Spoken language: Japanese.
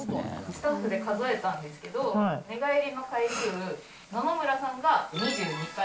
スタッフで数えたんですけど、寝返りの回数、野々村さんが２２回。